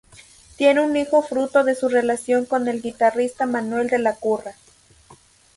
Tiene un hijo fruto de su relación con el guitarrista Manuel de la Curra.